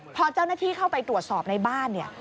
พอเจ้าหน้าที่เข้าไปตรวจสอบในบ้านเนี่ย